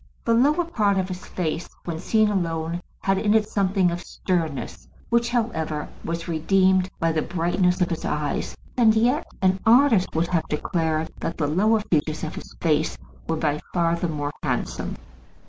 The lower part of his face, when seen alone, had in it somewhat of sternness, which, however, was redeemed by the brightness of his eyes. And yet an artist would have declared that the lower features of his face were by far the more handsome.